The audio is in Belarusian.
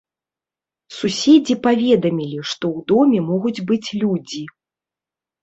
Суседзі паведамілі, што ў доме могуць быць людзі.